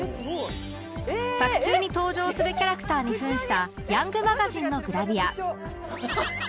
作中に登場するキャラクターに扮した『ヤングマガジン』のグラビア